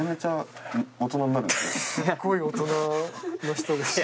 すっごい大人の人でした。